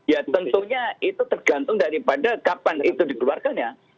ya tentunya itu tergantung daripada kapan itu dikeluarkan ya